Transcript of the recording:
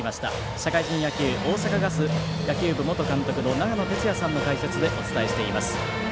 社会人野球大阪ガス野球部元監督の長野哲也さんの解説でお伝えしています。